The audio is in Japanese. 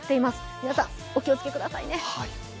皆さん、お気をつけくださいね。